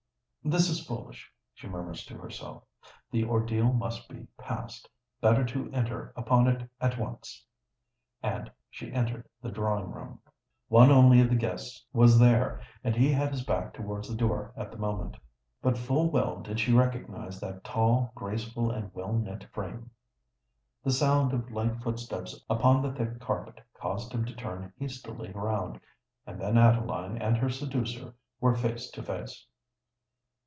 "This is foolish!" she murmurs to herself: "the ordeal must be passed;—better to enter upon it at once!" And she entered the drawing room. One only of the guests was there; and he had his back towards the door at the moment. But full well did she recognise that tall, graceful, and well knit frame. The sound of light footsteps upon the thick carpet caused him to turn hastily round;—and then Adeline and her seducer were face to face.